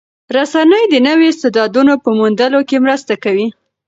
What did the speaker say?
رسنۍ د نویو استعدادونو په موندلو کې مرسته کوي.